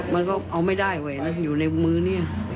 มันก็เอาไม่ได้ไว้นะอยู่ในมือนี้